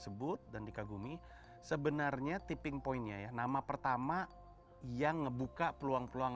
sebut dan dikagumi sebenarnya tipping point nya yang nama pertama yang ngebuka peluang peluang